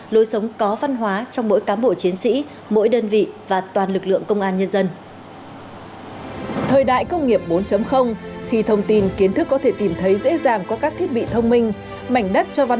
lối sống có văn hóa trong mỗi cán bộ chiến sĩ mỗi đơn vị và toàn lực lượng công an nhân dân